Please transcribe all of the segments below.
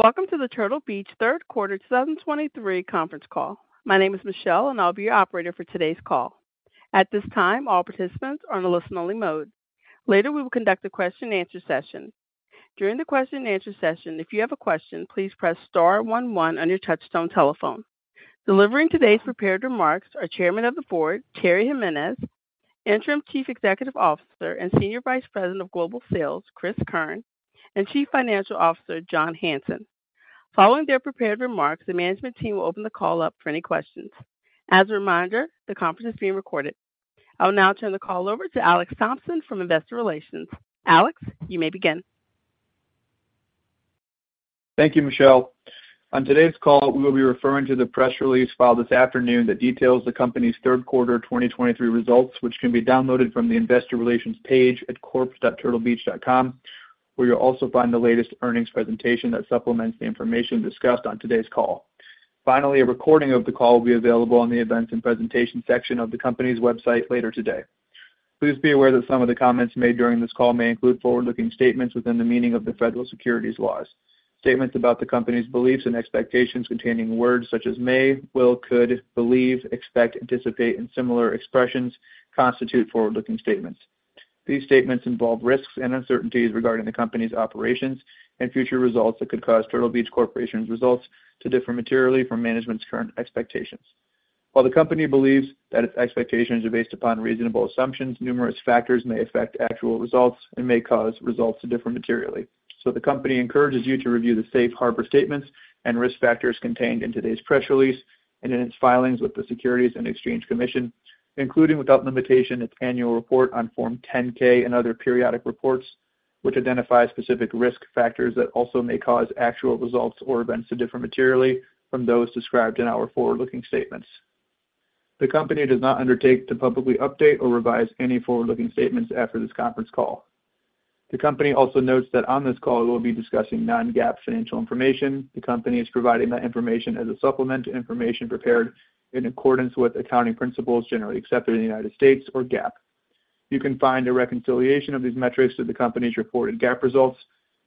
Welcome to the Turtle Beach third quarter 2023 conference call. My name is Michelle, and I'll be your operator for today's call. At this time, all participants are on a listen-only mode. Later, we will conduct a question-and-answer session. During the question-and-answer session, if you have a question, please press star one one on your touchtone telephone. Delivering today's prepared remarks are Chairman of the Board, Terry Jimenez, Interim Chief Executive Officer and Senior Vice President of Global Sales, Cris Keirn, and Chief Financial Officer, John Hanson. Following their prepared remarks, the management team will open the call up for any questions. As a reminder, the conference is being recorded. I will now turn the call over to Alex Thompson from Investor Relations. Alex, you may begin. Thank you, Michelle. On today's call, we will be referring to the press release filed this afternoon that details the company's third quarter 2023 results, which can be downloaded from the investor relations page at corp.turtlebeach.com, where you'll also find the latest earnings presentation that supplements the information discussed on today's call. Finally, a recording of the call will be available on the events and presentations section of the company's website later today. Please be aware that some of the comments made during this call may include forward-looking statements within the meaning of the federal securities laws. Statements about the company's beliefs and expectations containing words such as may, will, could, believe, expect, anticipate, and similar expressions constitute forward-looking statements. These statements involve risks and uncertainties regarding the company's operations and future results that could cause Turtle Beach Corporation's results to differ materially from management's current expectations. While the company believes that its expectations are based upon reasonable assumptions, numerous factors may affect actual results and may cause results to differ materially. The company encourages you to review the safe harbor statements and risk factors contained in today's press release and in its filings with the Securities and Exchange Commission, including, without limitation, its annual report on Form 10-K and other periodic reports, which identify specific risk factors that also may cause actual results or events to differ materially from those described in our forward-looking statements. The company does not undertake to publicly update or revise any forward-looking statements after this conference call. The company also notes that on this call, we'll be discussing non-GAAP financial information. The company is providing that information as a supplement to information prepared in accordance with accounting principles generally accepted in the United States or GAAP. You can find a reconciliation of these metrics to the company's reported GAAP results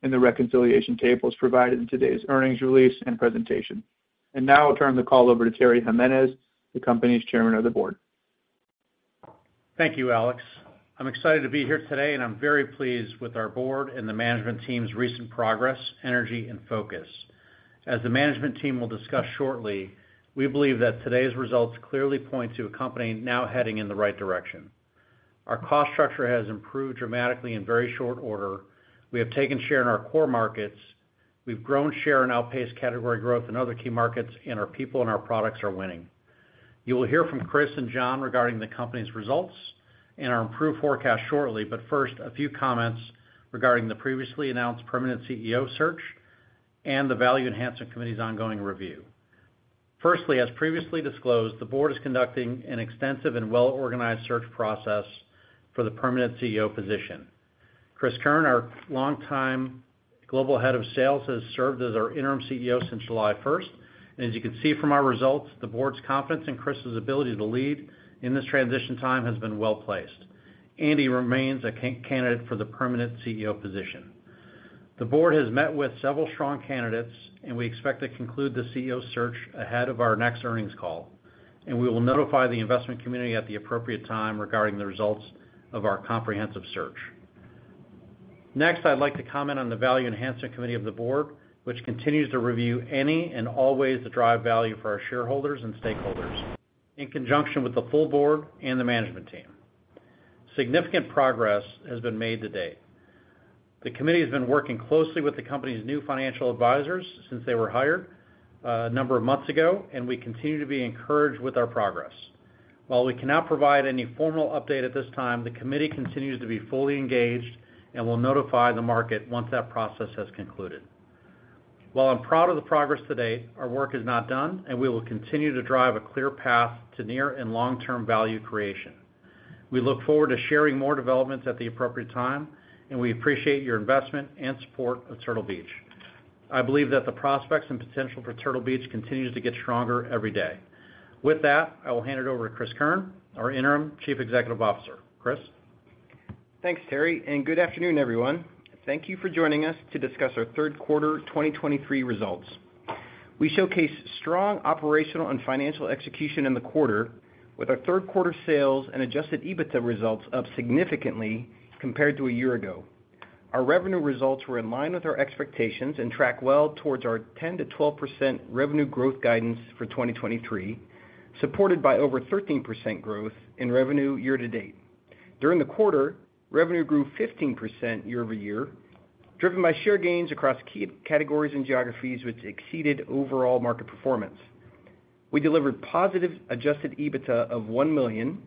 in the reconciliation tables provided in today's earnings release and presentation. And now I'll turn the call over to Terry Jimenez, the company's Chairman of the Board. Thank you, Alex. I'm excited to be here today, and I'm very pleased with our board and the management team's recent progress, energy, and focus. As the management team will discuss shortly, we believe that today's results clearly point to a company now heading in the right direction. Our cost structure has improved dramatically in very short order. We have taken share in our core markets. We've grown share and outpaced category growth in other key markets, and our people and our products are winning. You will hear from Cris and John regarding the company's results and our improved forecast shortly, but first, a few comments regarding the previously announced permanent CEO search and the Value Enhancement Committee's ongoing review. Firstly, as previously disclosed, the board is conducting an extensive and well-organized search process for the permanent CEO position. Cris Keirn, our longtime Global Head of Sales, has served as our interim CEO since July first. As you can see from our results, the board's confidence in Cris's ability to lead in this transition time has been well-placed. And he remains a candidate for the permanent CEO position. The board has met with several strong candidates, and we expect to conclude the CEO search ahead of our next earnings call, and we will notify the investment community at the appropriate time regarding the results of our comprehensive search. Next, I'd like to comment on the Value Enhancement Committee of the board, which continues to review any and all ways to drive value for our shareholders and stakeholders in conjunction with the full board and the management team. Significant progress has been made to date. The committee has been working closely with the company's new financial advisors since they were hired, a number of months ago, and we continue to be encouraged with our progress. While we cannot provide any formal update at this time, the committee continues to be fully engaged and will notify the market once that process has concluded. While I'm proud of the progress to date, our work is not done, and we will continue to drive a clear path to near and long-term value creation. We look forward to sharing more developments at the appropriate time, and we appreciate your investment and support of Turtle Beach. I believe that the prospects and potential for Turtle Beach continues to get stronger every day. With that, I will hand it over to Cris Keirn, our interim Chief Executive Officer. Cris? Thanks, Terry, and good afternoon, everyone. Thank you for joining us to discuss our third quarter 2023 results. We showcase strong operational and financial execution in the quarter, with our third quarter sales and Adjusted EBITDA results up significantly compared to a year ago. Our revenue results were in line with our expectations and track well towards our 10%-12% revenue growth guidance for 2023, supported by over 13% growth in revenue year to date. During the quarter, revenue grew 15% year over year, driven by share gains across key categories and geographies, which exceeded overall market performance. We delivered positive Adjusted EBITDA of $1 million,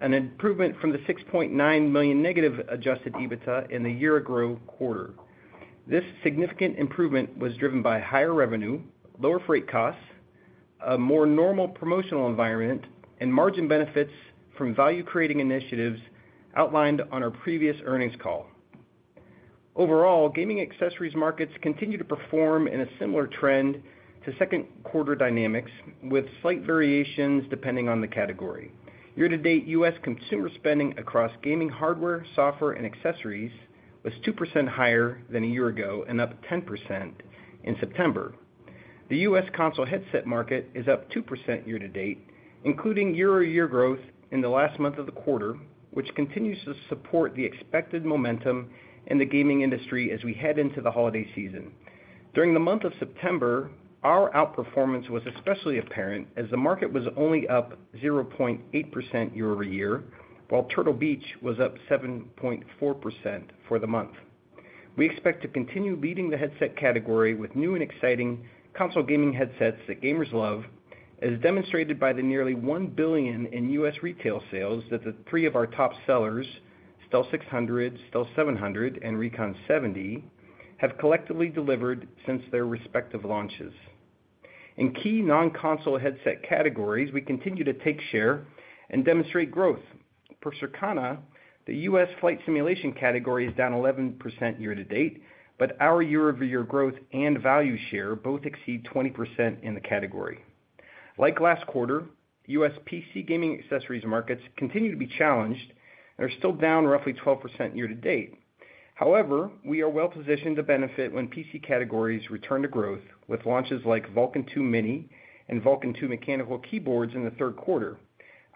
an improvement from the $6.9 million negative Adjusted EBITDA in the year-ago quarter. This significant improvement was driven by higher revenue, lower freight costs, a more normal promotional environment, and margin benefits from value-creating initiatives outlined on our previous earnings call. Overall, gaming accessories markets continue to perform in a similar trend to second quarter dynamics, with slight variations depending on the category. Year-to-date, U.S. consumer spending across gaming, hardware, software, and accessories was 2% higher than a year ago and up 10% in September. The U.S. console headset market is up 2% year-to-date, including year-over-year growth in the last month of the quarter, which continues to support the expected momentum in the gaming industry as we head into the holiday season. During the month of September, our outperformance was especially apparent as the market was only up 0.8% year-over-year, while Turtle Beach was up 7.4% for the month. We expect to continue leading the headset category with new and exciting console gaming headsets that gamers love, as demonstrated by the nearly $1 billion in U.S. retail sales that the three of our top sellers, Stealth 600, Stealth 700, and Recon 70, have collectively delivered since their respective launches. In key non-console headset categories, we continue to take share and demonstrate growth. For Circana, the U.S. flight simulation category is down 11% year-to-date, but our year-over-year growth and value share both exceed 20% in the category. Like last quarter, U.S. PC gaming accessories markets continue to be challenged and are still down roughly 12% year-to-date. However, we are well-positioned to benefit when PC categories return to growth with launches like Vulcan II Mini and Vulcan II mechanical keyboards in the third quarter.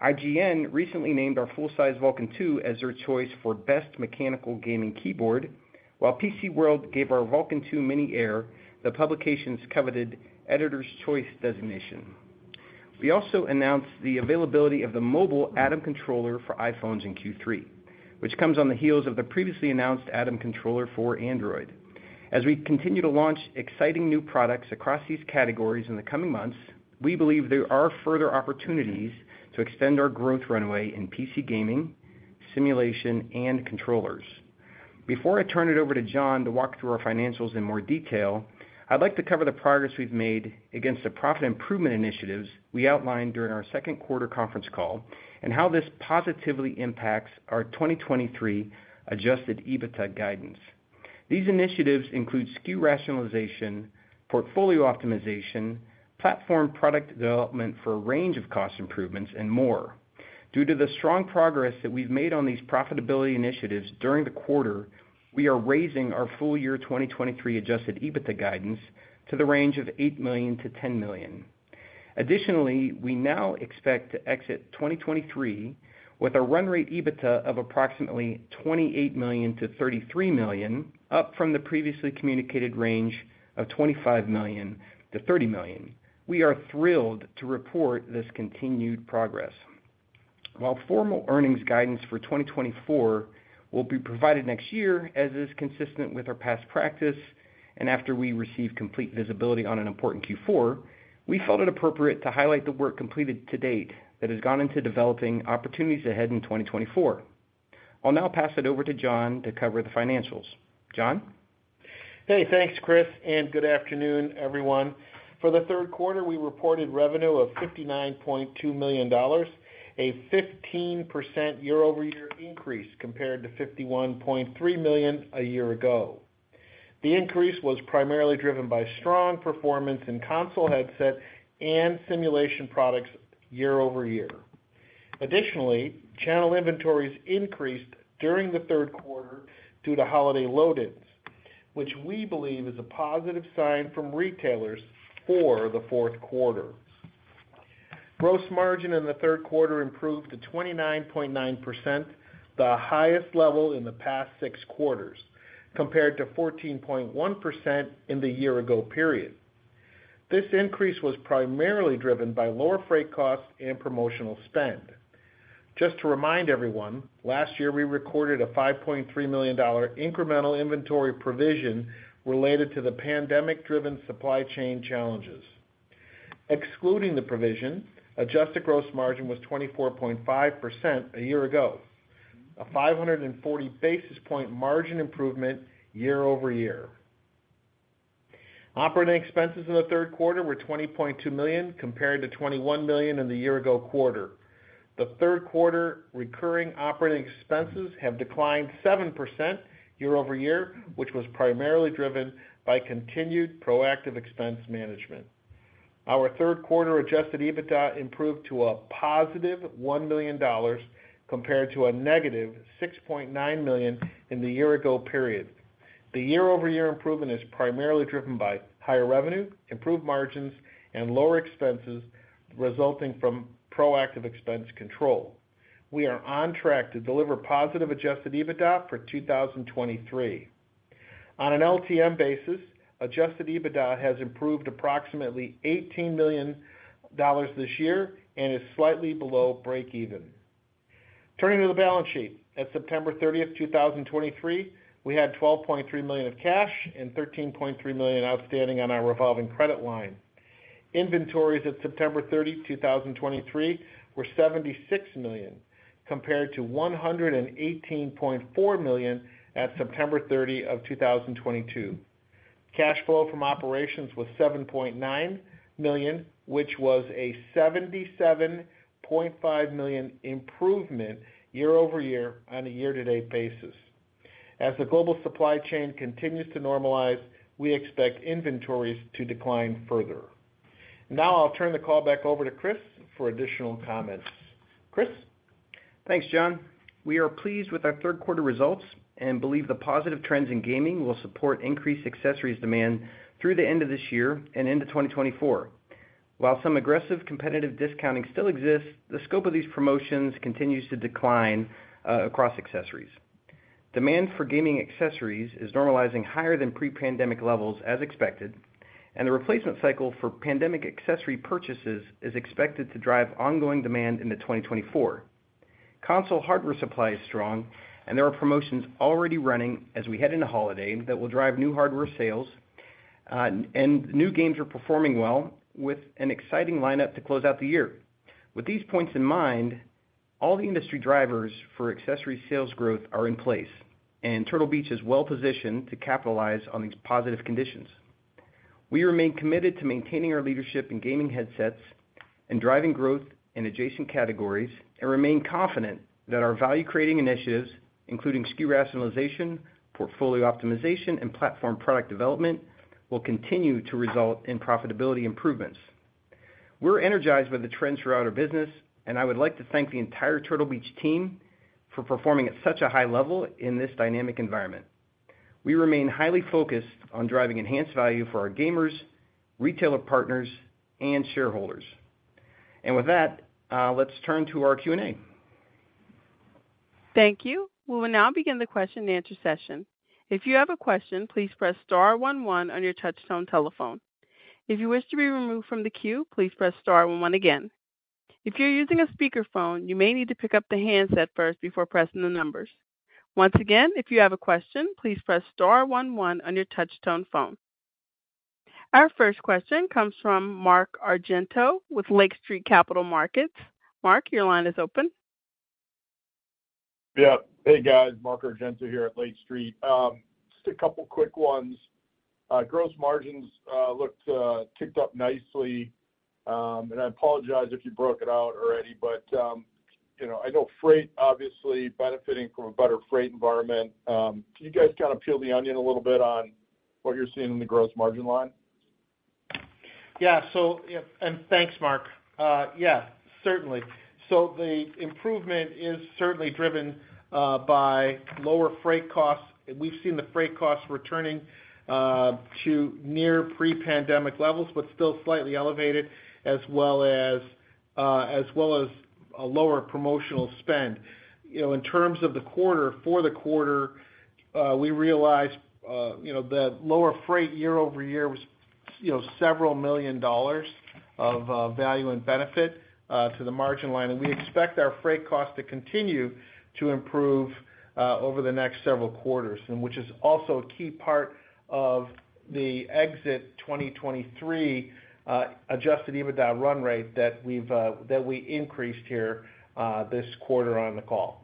IGN recently named our full-size Vulcan II as their choice for best mechanical gaming keyboard, while PCWorld gave our Vulcan II Mini Air, the publication's coveted Editors' Choice designation. We also announced the availability of the mobile Atom Controller for iPhones in Q3, which comes on the heels of the previously announced Atom Controller for Android. As we continue to launch exciting new products across these categories in the coming months, we believe there are further opportunities to extend our growth runway in PC gaming, simulation, and controllers. Before I turn it over to John to walk through our financials in more detail, I'd like to cover the progress we've made against the profit improvement initiatives we outlined during our second quarter conference call, and how this positively impacts our 2023 Adjusted EBITDA guidance. These initiatives include SKU rationalization, portfolio optimization, platform product development for a range of cost improvements, and more. Due to the strong progress that we've made on these profitability initiatives during the quarter, we are raising our full year 2023 Adjusted EBITDA guidance to the range of $8 million-$10 million. Additionally, we now expect to exit 2023 with a run rate EBITDA of approximately $28 million-$33 million, up from the previously communicated range of $25 million-$30 million. We are thrilled to report this continued progress. While formal earnings guidance for 2024 will be provided next year, as is consistent with our past practice, and after we receive complete visibility on an important Q4, we felt it appropriate to highlight the work completed to date that has gone into developing opportunities ahead in 2024. I'll now pass it over to John to cover the financials. John? Hey, thanks, Cris, and good afternoon, everyone. For the third quarter, we reported revenue of $59.2 million, a 15% year-over-year increase compared to $51.3 million a year ago. The increase was primarily driven by strong performance in console headset and simulation products year-over-year. Additionally, channel inventories increased during the third quarter due to holiday load-ins, which we believe is a positive sign from retailers for the fourth quarter. Gross margin in the third quarter improved to 29.9%, the highest level in the past six quarters, compared to 14.1% in the year ago period. This increase was primarily driven by lower freight costs and promotional spend. Just to remind everyone, last year, we recorded a $5.3 million incremental inventory provision related to the pandemic-driven supply chain challenges. Excluding the provision, adjusted gross margin was 24.5% a year ago, a 540 basis point margin improvement year-over-year. Operating expenses in the third quarter were $20.2 million, compared to $21 million in the year ago quarter. The third quarter recurring operating expenses have declined 7% year-over-year, which was primarily driven by continued proactive expense management. Our third quarter adjusted EBITDA improved to a +$1 million, compared to a -$6.9 million in the year ago period. The year-over-year improvement is primarily driven by higher revenue, improved margins, and lower expenses resulting from proactive expense control. We are on track to deliver positive adjusted EBITDA for 2023. On an LTM basis, adjusted EBITDA has improved approximately $18 million this year and is slightly below breakeven. Turning to the balance sheet. At September 30, 2023, we had $12.3 million of cash and $13.3 million outstanding on our revolving credit line. Inventories at September 30, 2023, were $76 million, compared to $118.4 million at September 30, 2022. Cash flow from operations was $7.9 million, which was a $77.5 million improvement year-over-year on a year-to-date basis... as the global supply chain continues to normalize, we expect inventories to decline further. Now I'll turn the call back over to Cris for additional comments. Cris? Thanks, John. We are pleased with our third quarter results and believe the positive trends in gaming will support increased accessories demand through the end of this year and into 2024. While some aggressive competitive discounting still exists, the scope of these promotions continues to decline across accessories. Demand for gaming accessories is normalizing higher than pre-pandemic levels, as expected, and the replacement cycle for pandemic accessory purchases is expected to drive ongoing demand into 2024. Console hardware supply is strong, and there are promotions already running as we head into holiday that will drive new hardware sales, and new games are performing well, with an exciting lineup to close out the year. With these points in mind, all the industry drivers for accessory sales growth are in place, and Turtle Beach is well positioned to capitalize on these positive conditions. We remain committed to maintaining our leadership in gaming headsets and driving growth in adjacent categories, and remain confident that our value-creating initiatives, including SKU Rationalization, portfolio optimization, and platform product development, will continue to result in profitability improvements. We're energized by the trends throughout our business, and I would like to thank the entire Turtle Beach team for performing at such a high level in this dynamic environment. We remain highly focused on driving enhanced value for our gamers, retailer partners, and shareholders. And with that, let's turn to our Q&A. Thank you. We will now begin the question-and-answer session. If you have a question, please press star one one on your touchtone telephone. If you wish to be removed from the queue, please press star one one again. If you're using a speakerphone, you may need to pick up the handset first before pressing the numbers. Once again, if you have a question, please press star one one on your touchtone phone. Our first question comes from Mark Argento with Lake Street Capital Markets. Mark, your line is open. Yep. Hey, guys, Mark Argento here at Lake Street. Just a couple quick ones. Gross margins looked ticked up nicely. And I apologize if you broke it out already, but, you know, I know freight obviously benefiting from a better freight environment. Can you guys kind of peel the onion a little bit on what you're seeing in the gross margin line? Yeah. So, yeah, and thanks, Mark. Yeah, certainly. So the improvement is certainly driven by lower freight costs. We've seen the freight costs returning to near pre-pandemic levels, but still slightly elevated, as well as, as well as a lower promotional spend. You know, in terms of the quarter, for the quarter, we realized, you know, that lower freight year-over-year was, you know, $several million of value and benefit to the margin line. And we expect our freight cost to continue to improve over the next several quarters, and which is also a key part of the exit 2023 Adjusted EBITDA run rate that we've that we increased here this quarter on the call.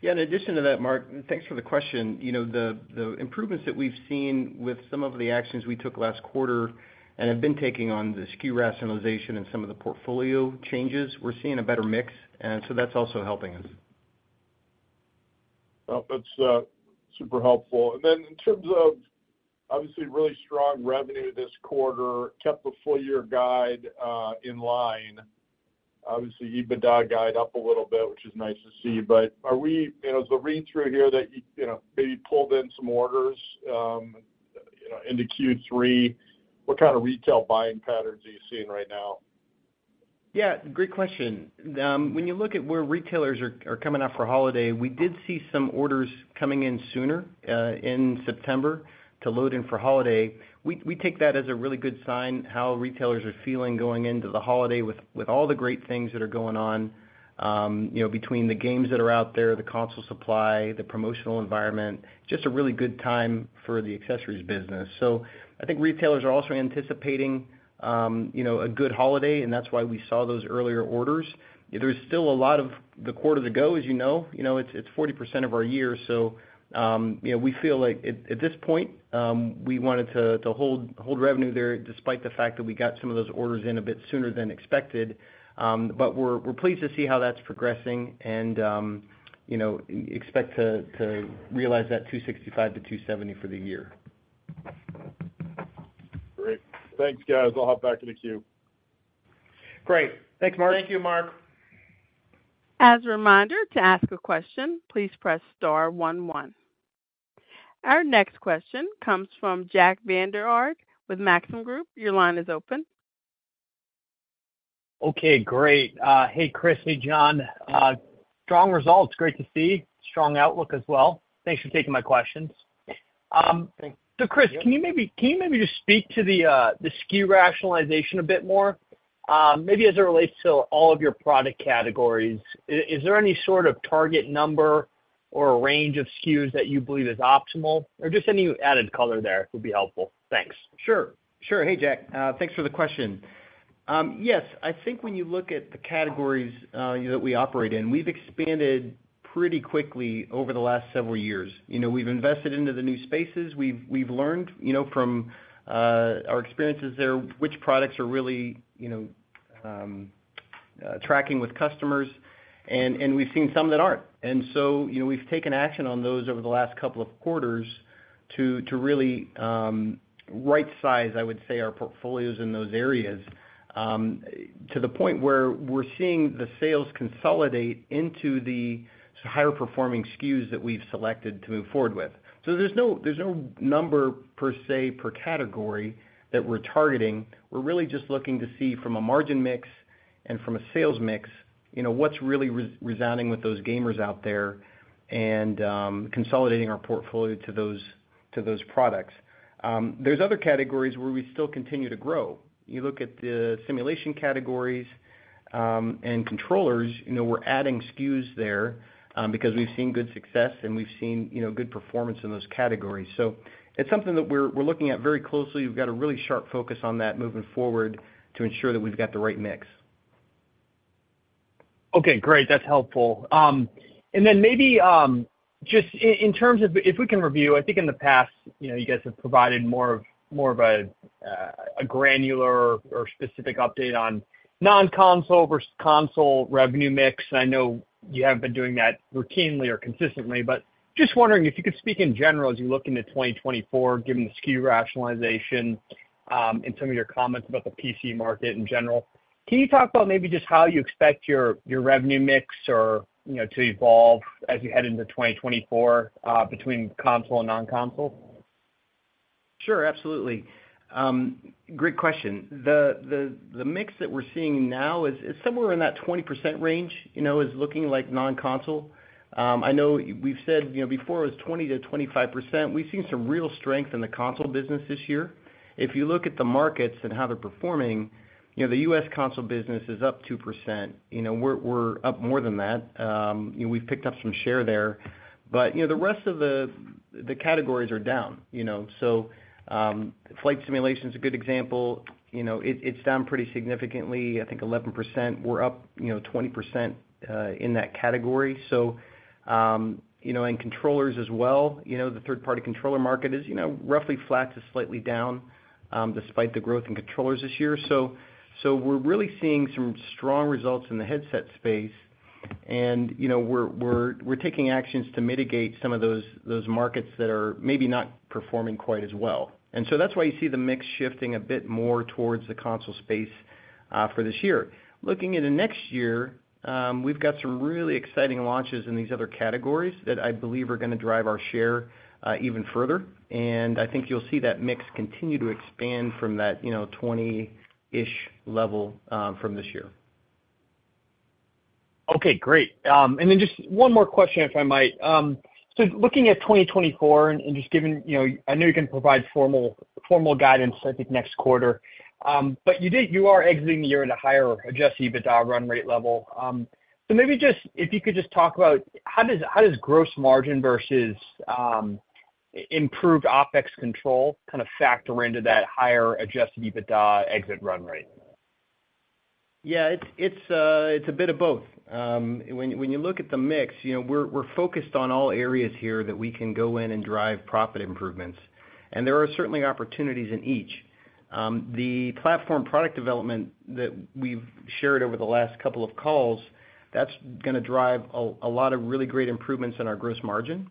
Yeah, in addition to that, Mark, thanks for the question. You know, the improvements that we've seen with some of the actions we took last quarter and have been taking on the SKU Rationalization and some of the portfolio changes, we're seeing a better mix, and so that's also helping us. Well, that's super helpful. And then in terms of obviously really strong revenue this quarter, kept the full year guide in line. Obviously, EBITDA guide up a little bit, which is nice to see. But are we, you know, is the read through here that you, you know, maybe pulled in some orders, you know, into Q3? What kind of retail buying patterns are you seeing right now? Yeah, great question. When you look at where retailers are coming out for holiday, we did see some orders coming in sooner in September to load in for holiday. We take that as a really good sign, how retailers are feeling going into the holiday with all the great things that are going on, you know, between the games that are out there, the console supply, the promotional environment, just a really good time for the accessories business. So I think retailers are also anticipating, you know, a good holiday, and that's why we saw those earlier orders. There is still a lot of the quarter to go, as you know. You know, it's 40% of our year, so, you know, we feel like at this point, we wanted to hold revenue there, despite the fact that we got some of those orders in a bit sooner than expected. But we're pleased to see how that's progressing and, you know, expect to realize that $265-$270 for the year. Great. Thanks, guys. I'll hop back in the queue. Great. Thanks, Mark. Thank you, Mark. As a reminder, to ask a question, please press star one one. Our next question comes from Jack Vander Aarde with Maxim Group. Your line is open. Okay, great. Hey, Cris. Hey, John. Strong results, great to see. Strong outlook as well. Thanks for taking my questions. Thanks. So, Cris, can you maybe just speak to the SKU rationalization a bit more, maybe as it relates to all of your product categories? Is there any sort of target number or a range of SKUs that you believe is optimal, or just any added color there would be helpful? Thanks. Sure. Sure. Hey, Jack, thanks for the question. Yes, I think when you look at the categories, you know, that we operate in, we've expanded pretty quickly over the last several years. You know, we've invested into the new spaces. We've learned, you know, from our experiences there, which products are really, you know, tracking with customers, and we've seen some that aren't. And so, you know, we've taken action on those over the last couple of quarters to really right size, I would say, our portfolios in those areas, to the point where we're seeing the sales consolidate into the higher performing SKUs that we've selected to move forward with. So there's no number per se, per category that we're targeting. We're really just looking to see from a margin mix and from a sales mix, you know, what's really resonating with those gamers out there and, consolidating our portfolio to those, to those products. There's other categories where we still continue to grow. You look at the simulation categories, and controllers, you know, we're adding SKUs there, because we've seen good success, and we've seen, you know, good performance in those categories. So it's something that we're looking at very closely. We've got a really sharp focus on that moving forward to ensure that we've got the right mix. Okay, great. That's helpful. And then maybe, just in terms of, if we can review, I think in the past, you know, you guys have provided more of, more of a, a granular or specific update on non-console versus console revenue mix, and I know you have been doing that routinely or consistently. But just wondering if you could speak in general, as you look into 2024, given the SKU rationalization, and some of your comments about the PC market in general. Can you talk about maybe just how you expect your, your revenue mix or, you know, to evolve as we head into 2024, between console and non-console? Sure, absolutely. Great question. The mix that we're seeing now is somewhere in that 20% range, you know, is looking like non-console. I know we've said, you know, before it was 20%-25%. We've seen some real strength in the console business this year. If you look at the markets and how they're performing, you know, the US console business is up 2%. You know, we're up more than that. You know, we've picked up some share there, but, you know, the rest of the categories are down, you know? So, flight simulation is a good example. You know, it's down pretty significantly, I think 11%. We're up, you know, 20% in that category. So, you know, and controllers as well. You know, the third-party controller market is, you know, roughly flat to slightly down, despite the growth in controllers this year. So we're really seeing some strong results in the headset space and, you know, we're taking actions to mitigate some of those markets that are maybe not performing quite as well. And so that's why you see the mix shifting a bit more towards the console space, for this year. Looking into next year, we've got some really exciting launches in these other categories that I believe are gonna drive our share, even further, and I think you'll see that mix continue to expand from that, you know, 20-ish level, from this year. Okay, great. And then just one more question, if I might. So looking at 2024 and just given, you know, I know you can provide formal, formal guidance, I think, next quarter. But you did - you are exiting the year at a higher Adjusted EBITDA run rate level. So maybe just, if you could just talk about how does, how does gross margin versus, improved OpEx control kind of factor into that higher Adjusted EBITDA exit run rate? Yeah, it's a bit of both. When you look at the mix, you know, we're focused on all areas here that we can go in and drive profit improvements, and there are certainly opportunities in each. The platform product development that we've shared over the last couple of calls, that's gonna drive a lot of really great improvements in our gross margin.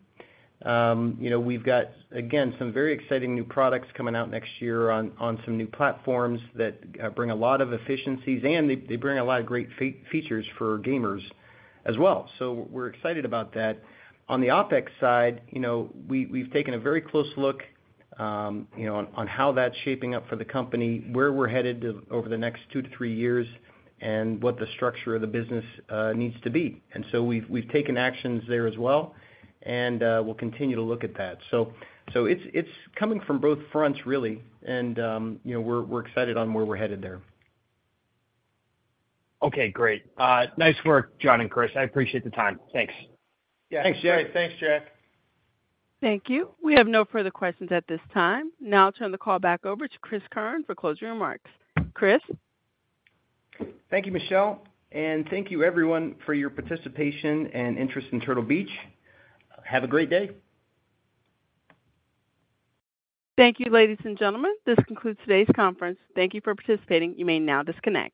You know, we've got, again, some very exciting new products coming out next year on some new platforms that bring a lot of efficiencies, and they bring a lot of great features for gamers as well. So we're excited about that. On the OpEx side, you know, we've taken a very close look, you know, on how that's shaping up for the company, where we're headed over the next two to three years, and what the structure of the business needs to be. And so we've taken actions there as well, and we'll continue to look at that. So it's coming from both fronts, really, and you know, we're excited on where we're headed there. Okay, great. Nice work, John and Cris. I appreciate the time. Thanks. Yeah. Thanks, Jack. Thanks, Jack. Thank you. We have no further questions at this time. Now I'll turn the call back over to Cris Keirn for closing remarks. Cris? Thank you, Michelle, and thank you everyone for your participation and interest in Turtle Beach. Have a great day. Thank you, ladies and gentlemen. This concludes today's conference. Thank you for participating. You may now disconnect.